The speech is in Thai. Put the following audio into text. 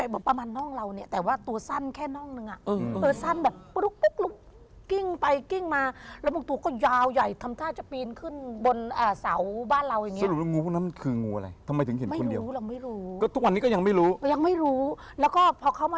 บางทีตัวสั้นเนี่ยแขนนึงเนี่ยอุ้นมากหน้าป่ามลกมาก